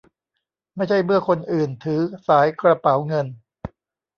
ไม่ใช่เมื่อคนอื่นถือสายกระเป๋าเงิน